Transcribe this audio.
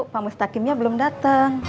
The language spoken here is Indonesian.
pamustakimnya belum datang